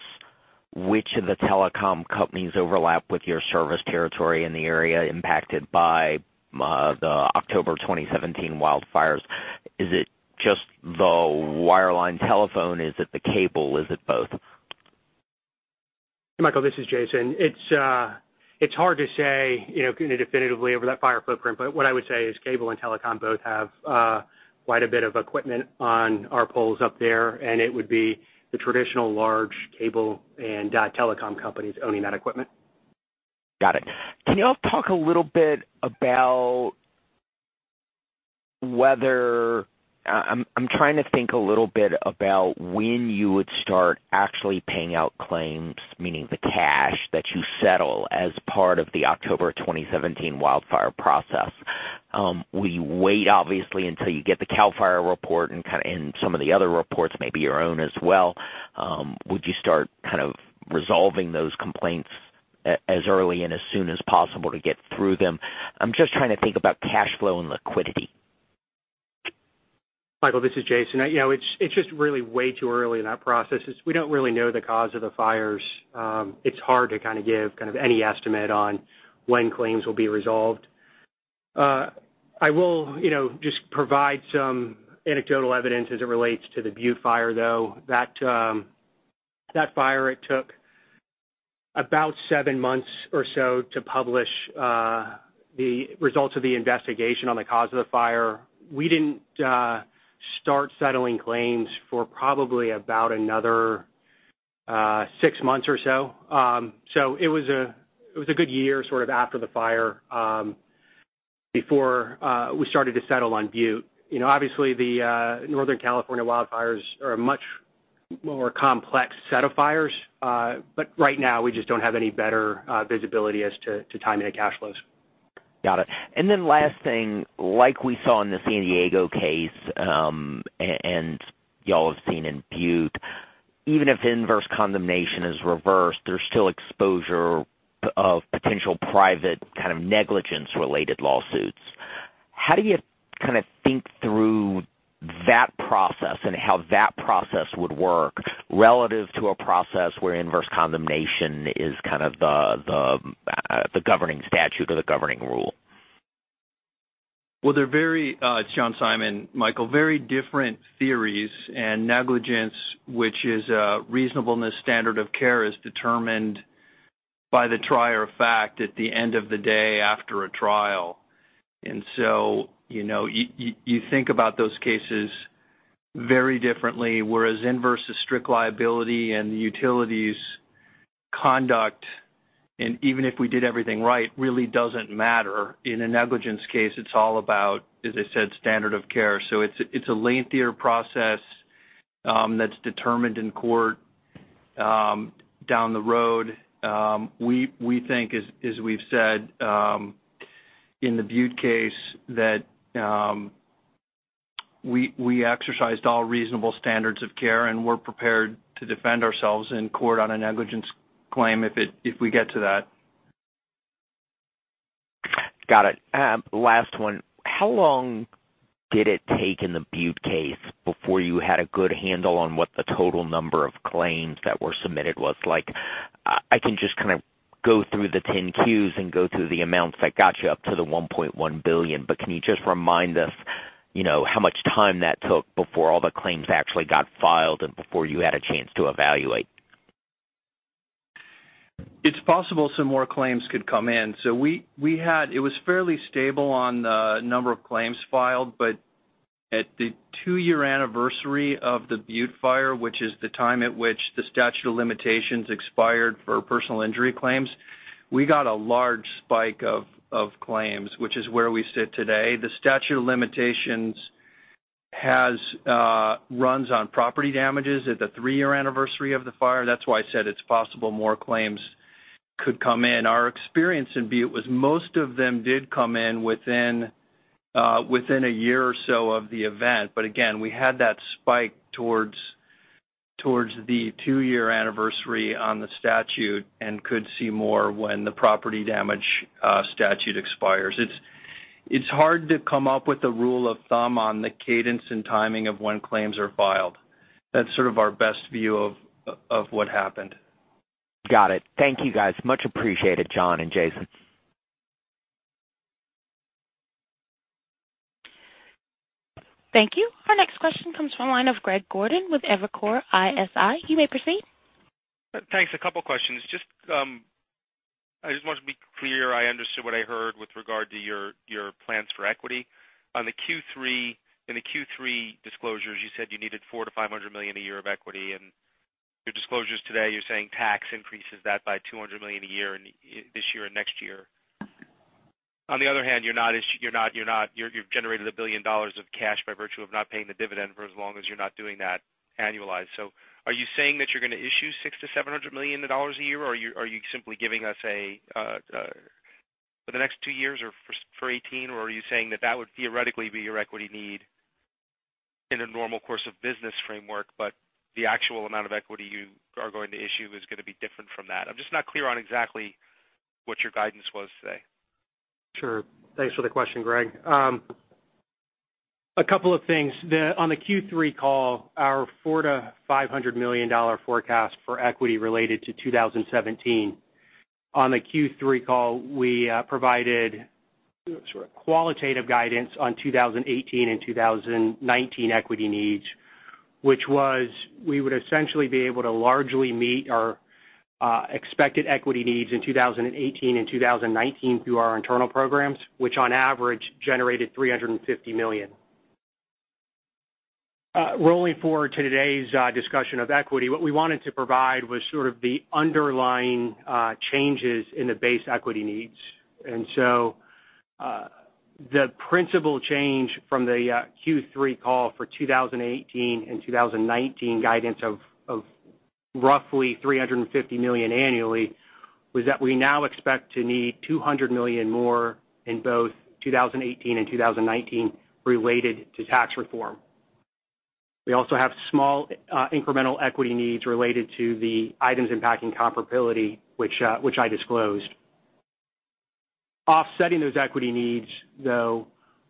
which of the telecom companies overlap with your service territory in the area impacted by the October 2017 wildfires? Is it just the wireline telephone? Is it the cable? Is it both? Michael, this is Jason. It's hard to say definitively over that fire footprint, but what I would say is cable and telecom both have quite a bit of equipment on our poles up there, and it would be the traditional large cable and telecom companies owning that equipment. Got it. Can you all talk a little bit about when you would start actually paying out claims, meaning the cash that you settle as part of the October 2017 wildfire process. Will you wait, obviously, until you get the CAL FIRE report and some of the other reports, maybe your own as well? Would you start resolving those complaints as early and as soon as possible to get through them? I'm just trying to think about cash flow and liquidity. Michael, this is Jason. It's just really way too early in that process. We don't really know the cause of the fires. It's hard to give any estimate on when claims will be resolved. I will just provide some anecdotal evidence as it relates to the Butte Fire, though. That fire, it took about seven months or so to publish the results of the investigation on the cause of the fire. We didn't start settling claims for probably about another six months or so. It was a good year, sort of after the fire, before we started to settle on Butte. Obviously, the Northern California wildfires are a much more complex set of fires. Right now, we just don't have any better visibility as to timing of cash flows. Got it. Last thing, like we saw in the San Diego case, and you all have seen in Butte, even if inverse condemnation is reversed, there's still exposure of potential private kind of negligence-related lawsuits. How do you think through that process and how that process would work relative to a process where inverse condemnation is kind of the governing statute or the governing rule? John Simon, Michael. They're very different theories. Negligence, which is a reasonableness standard of care, is determined by the trier of fact at the end of the day after a trial. You think about those cases very differently, whereas inverse is strict liability and the utility's conduct, even if we did everything right, really doesn't matter. In a negligence case, it's all about, as I said, standard of care. It's a lengthier process that's determined in court down the road. We think, as we've said in the Butte case, that we exercised all reasonable standards of care, and we're prepared to defend ourselves in court on a negligence claim if we get to that. Got it. Last one. How long did it take in the Butte case before you had a good handle on what the total number of claims that were submitted was like? I can just kind of go through the 10-Qs and go through the amounts that got you up to the $1.1 billion, but can you just remind us how much time that took before all the claims actually got filed and before you had a chance to evaluate? It's possible some more claims could come in. It was fairly stable on the number of claims filed, but at the two-year anniversary of the Butte Fire, which is the time at which the statute of limitations expired for personal injury claims, we got a large spike of claims, which is where we sit today. The statute of limitations runs on property damages at the three-year anniversary of the fire. That's why I said it's possible more claims could come in. Our experience in Butte was most of them did come in within a year or so of the event. Again, we had that spike towards the two-year anniversary on the statute and could see more when the property damage statute expires. It's hard to come up with a rule of thumb on the cadence and timing of when claims are filed. That's sort of our best view of what happened. Got it. Thank you, guys. Much appreciated, John and Jason. Thank you. Our next question comes from the line of Greg Gordon with Evercore ISI. You may proceed. Thanks. A couple questions. I just wanted to be clear I understood what I heard with regard to your plans for equity. In the Q3 disclosures, you said you needed $400 million-$500 million a year of equity, and your disclosures today, you're saying tax increases that by $200 million a year this year and next year. On the other hand, you've generated $1 billion of cash by virtue of not paying the dividend for as long as you're not doing that annualized. Are you saying that you're going to issue $600 million-$700 million a year, or are you simply giving us for the next two years or for 2018? Are you saying that that would theoretically be your equity need in a normal course of business framework, but the actual amount of equity you are going to issue is going to be different from that? I'm just not clear on exactly what your guidance was today. Sure. Thanks for the question, Greg. A couple of things. On the Q3 call, our $400 million-$500 million forecast for equity related to 2017. On the Q3 call, we provided sort of qualitative guidance on 2018 and 2019 equity needs, which was we would essentially be able to largely meet our expected equity needs in 2018 and 2019 through our internal programs, which on average generated $350 million. Rolling forward to today's discussion of equity, what we wanted to provide was sort of the underlying changes in the base equity needs. The principal change from the Q3 call for 2018 and 2019 guidance of roughly $350 million annually was that we now expect to need $200 million more in both 2018 and 2019 related to tax reform. We also have small incremental equity needs related to the items impacting comparability, which I disclosed. Offsetting those equity needs, though,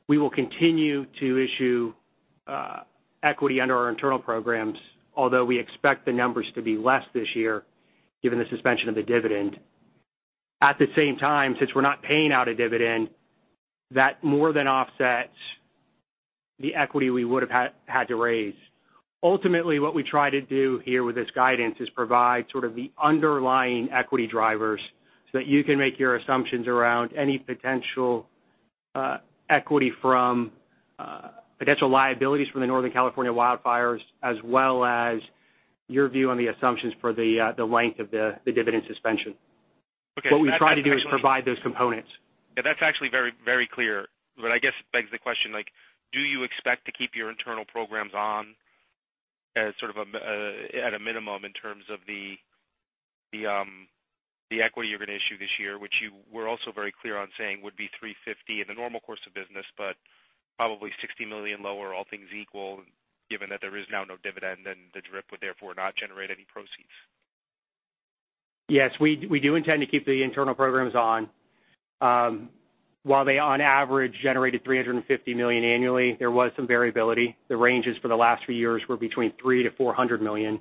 we will continue to issue equity under our internal programs, although we expect the numbers to be less this year given the suspension of the dividend. At the same time, since we're not paying out a dividend, that more than offsets the equity we would have had to raise. Ultimately, what we try to do here with this guidance is provide sort of the underlying equity drivers so that you can make your assumptions around any potential equity from potential liabilities from the Northern California wildfires, as well as your view on the assumptions for the length of the dividend suspension. Okay. What we try to do is provide those components. Yeah, that's actually very clear. I guess it begs the question, do you expect to keep your internal programs on at a minimum in terms of the equity you're going to issue this year, which you were also very clear on saying would be $350 million in the normal course of business, but probably $60 million lower, all things equal, given that there is now no dividend, then the DRIP would therefore not generate any proceeds. Yes, we do intend to keep the internal programs on. While they, on average, generated $350 million annually, there was some variability. The ranges for the last few years were between $300 million to $400 million.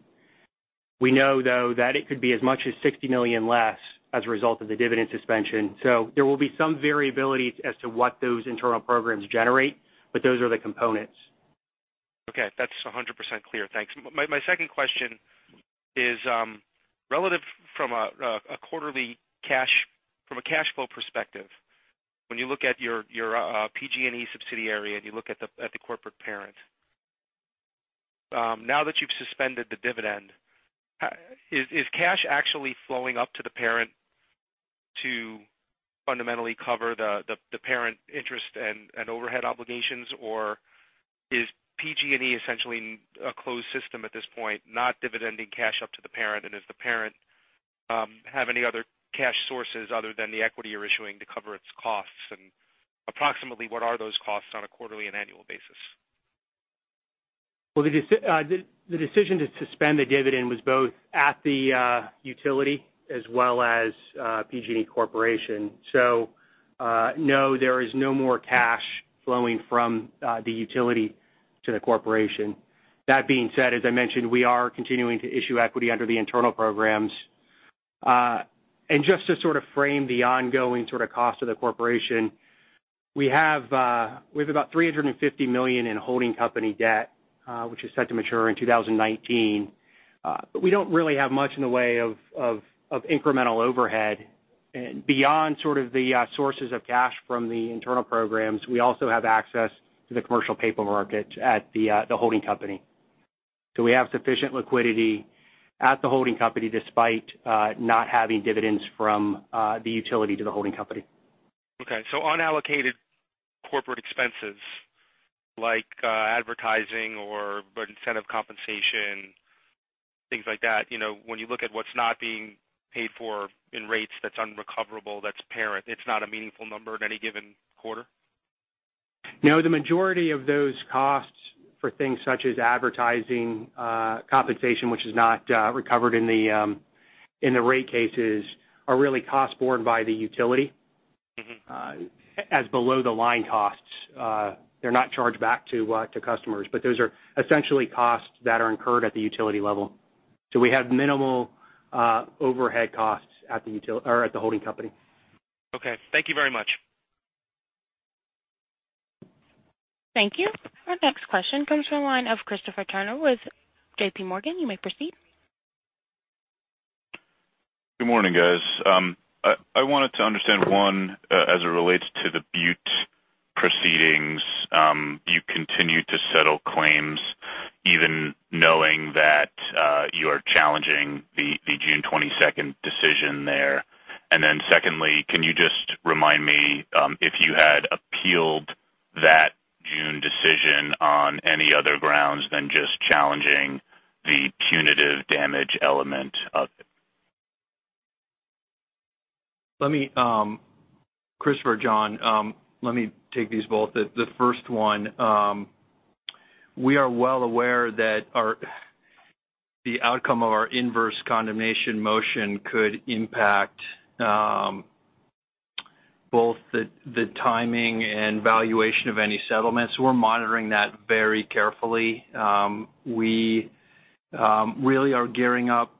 We know, though, that it could be as much as $60 million less as a result of the dividend suspension. There will be some variability as to what those internal programs generate, but those are the components. Okay. That's 100% clear. Thanks. My second question is, relative from a cash flow perspective, when you look at your PG&E subsidiary and you look at the corporate parent, now that you've suspended the dividend, is cash actually flowing up to the parent to fundamentally cover the parent interest and overhead obligations? Or is PG&E essentially a closed system at this point, not dividending cash up to the parent? Does the parent have any other cash sources other than the equity you're issuing to cover its costs? Approximately what are those costs on a quarterly and annual basis? Well, the decision to suspend the dividend was both at the utility as well as PG&E Corporation. No, there is no more cash flowing from the utility to the corporation. That being said, as I mentioned, we are continuing to issue equity under the internal programs. Just to sort of frame the ongoing sort of cost of the corporation, we have about $350 million in holding company debt, which is set to mature in 2019. We don't really have much in the way of incremental overhead. Beyond sort of the sources of cash from the internal programs, we also have access to the commercial paper market at the holding company. We have sufficient liquidity at the holding company, despite not having dividends from the utility to the holding company. Okay. Unallocated corporate expenses like advertising or incentive compensation, things like that, when you look at what's not being paid for in rates that's unrecoverable, that's parent, it's not a meaningful number at any given quarter? No, the majority of those costs for things such as advertising compensation, which is not recovered in the rate cases, are really costs borne by the utility as below-the-line costs. They're not charged back to customers, but those are essentially costs that are incurred at the utility level. We have minimal overhead costs at the holding company. Okay. Thank you very much. Thank you. Our next question comes from the line of Christopher Turnure with JPMorgan. You may proceed. Good morning, guys. I wanted to understand, one, as it relates to the Butte proceedings, you continue to settle claims even knowing that you are challenging the June 22nd decision there. Secondly, can you just remind me if you had appealed that June decision on any other grounds than just challenging the punitive damage element of it? Christopher, John, let me take these both. The first one, we are well aware that the outcome of our inverse condemnation motion could impact both the timing and valuation of any settlements. We're monitoring that very carefully. We really are gearing up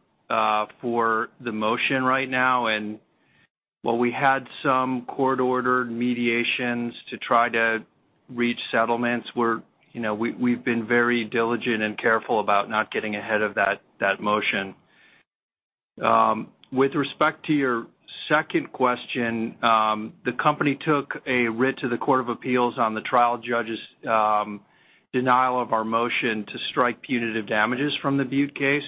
for the motion right now. While we had some court-ordered mediations to try to reach settlements, we've been very diligent and careful about not getting ahead of that motion. With respect to your second question, the company took a writ to the Court of Appeals on the trial judge's denial of our motion to strike punitive damages from the Butte case.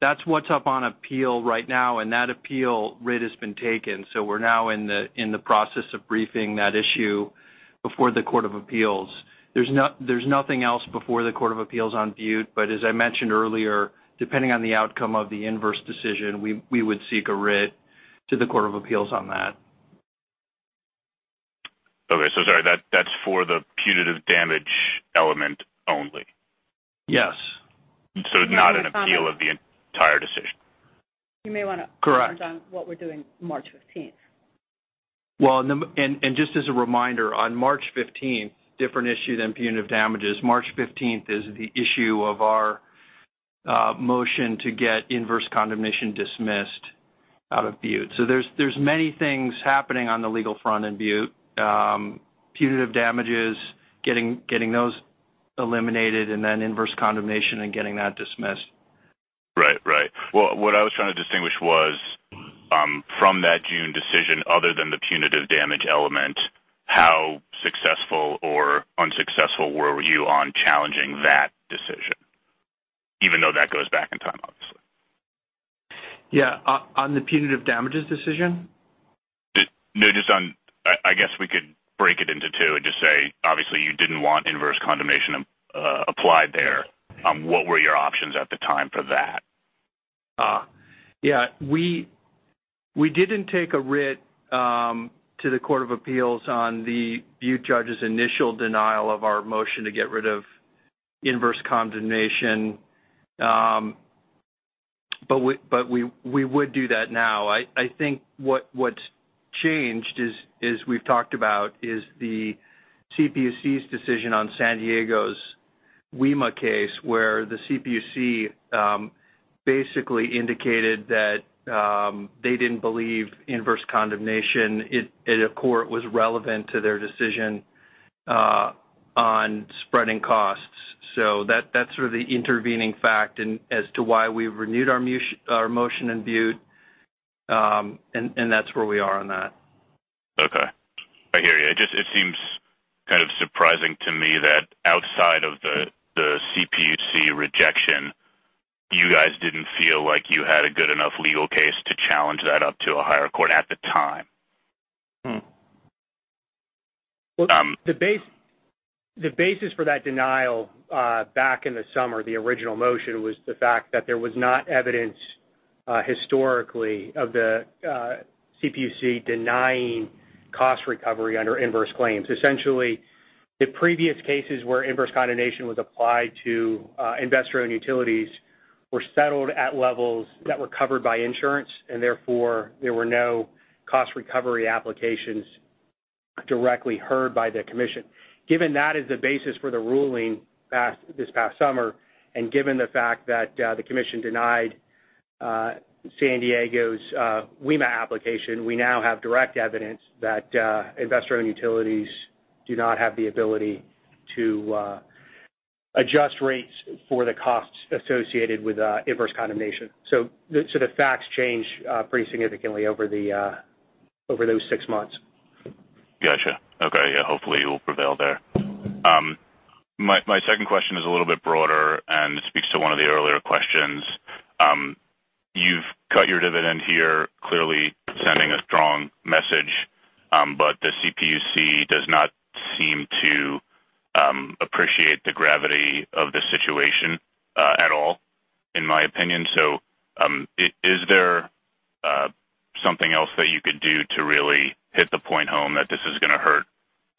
That's what's up on appeal right now, and that appeal writ has been taken. We're now in the process of briefing that issue before the Court of Appeals. There's nothing else before the Court of Appeals on Butte, but as I mentioned earlier, depending on the outcome of the inverse decision, we would seek a writ to the Court of Appeals on that. Okay. Sorry, that's for the punitive damage element only? Yes. It's not an appeal of the entire decision. Correct. You may want to comment on what we're doing March 15th. Well, just as a reminder, on March 15th, different issue than punitive damages, March 15th is the issue of our motion to get inverse condemnation dismissed out of Butte. There's many things happening on the legal front in Butte. Punitive damages, getting those eliminated, and then inverse condemnation and getting that dismissed. Right. Well, what I was trying to distinguish was from that June decision, other than the punitive damage element, how successful or unsuccessful were you on challenging that decision, even though that goes back in time, obviously? Yeah. On the punitive damages decision? No, I guess we could break it into two and just say, obviously, you didn't want inverse condemnation applied there. What were your options at the time for that? Yeah. We didn't take a writ to the Court of Appeals on the Butte judge's initial denial of our motion to get rid of inverse condemnation. We would do that now. I think what's changed is we've talked about the CPUC's decision on San Diego's WEMA case, where the CPUC basically indicated that they didn't believe inverse condemnation in a court was relevant to their decision on spreading costs. That's sort of the intervening fact as to why we've renewed our motion in Butte, and that's where we are on that. Okay. I hear you. It seems kind of surprising to me that outside of the CPUC rejection, you guys didn't feel like you had a good enough legal case to challenge that up to a higher court at the time. Well, the basis for that denial back in the summer, the original motion, was the fact that there was not evidence historically of the CPUC denying cost recovery under inverse claims. Essentially, the previous cases where inverse condemnation was applied to investor-owned utilities were settled at levels that were covered by insurance, and therefore, there were no cost recovery applications directly heard by the commission. Given that as the basis for the ruling this past summer, and given the fact that the commission denied San Diego's WEMA application, we now have direct evidence that investor-owned utilities do not have the ability to adjust rates for the costs associated with inverse condemnation. The facts changed pretty significantly over those six months. Got you. Okay. Yeah, hopefully you'll prevail there. My second question is a little bit broader and speaks to one of the earlier questions. You've cut your dividend here, clearly sending a strong message. The CPUC does not seem to appreciate the gravity of the situation at all, in my opinion. Is there something else that you could do to really hit the point home that this is going to hurt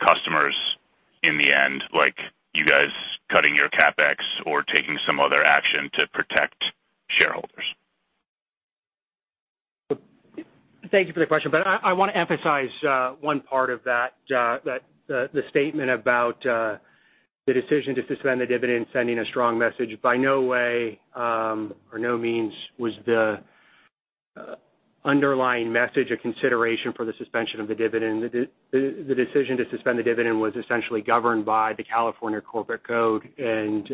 customers in the end, like you guys cutting your CapEx or taking some other action to protect shareholders? Thank you for the question. I want to emphasize one part of that. The statement about the decision to suspend the dividend, sending a strong message. By no way, or no means was the underlying message a consideration for the suspension of the dividend. The decision to suspend the dividend was essentially governed by the California Corporations Code and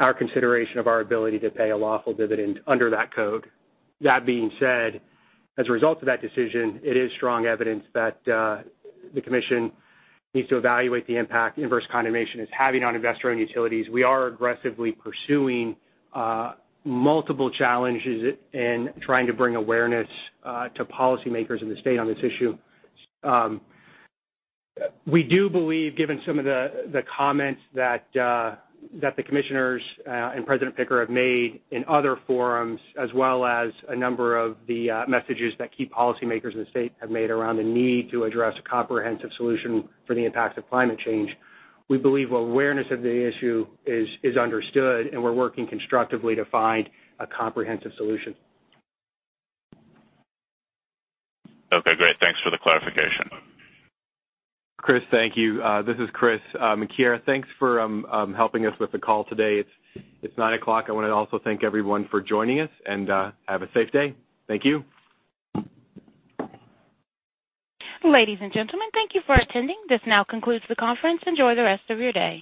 our consideration of our ability to pay a lawful dividend under that code. That being said, as a result of that decision, it is strong evidence that the commission needs to evaluate the impact inverse condemnation is having on investor-owned utilities. We are aggressively pursuing multiple challenges and trying to bring awareness to policymakers in the state on this issue. We do believe, given some of the comments that the commissioners and President Picker have made in other forums, as well as a number of the messages that key policymakers in the state have made around the need to address a comprehensive solution for the impacts of climate change. We believe awareness of the issue is understood, and we're working constructively to find a comprehensive solution. Okay, great. Thanks for the clarification. Chris, thank you. This is Chris. Kira thanks for helping us with the call today. It's nine o'clock. I want to also thank everyone for joining us, and have a safe day. Thank you. Ladies and gentlemen, thank you for attending. This now concludes the conference. Enjoy the rest of your day.